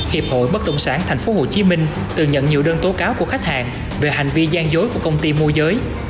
hiệp hội bất động sản tp hcm từ nhận nhiều đơn tố cáo của khách hàng về hành vi gian dối của công ty môi giới